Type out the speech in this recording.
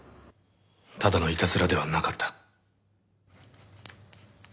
ただのいたずらではなかった。